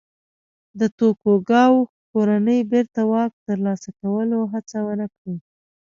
د توکوګاوا کورنۍ بېرته واک ترلاسه کولو هڅه ونه کړي.